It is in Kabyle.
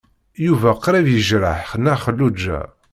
Yuba qrib yejreḥ Nna Xelluǧa.